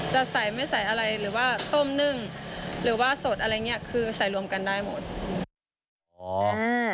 จะใส่ไม่ใส่อะไรหรือว่าต้มนึ่งหรือว่าสดอะไรอย่างนี้คือใส่รวมกันได้หมด